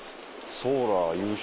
ソーラー優秀。